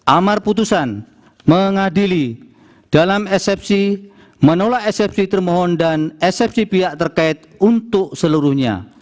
amar putusan mengadili dalam eksepsi menolak eksepsi termohon dan eksepsi pihak terkait untuk seluruhnya